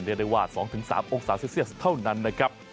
เรียกได้ว่า๒๓องศาเซลเซียสเท่านั้นนะครับ